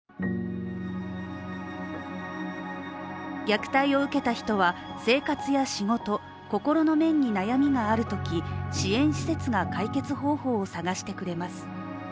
虐待を受けた人は生活や仕事、心の面に悩みがあるとき支援施設が解決方法を探してくれます。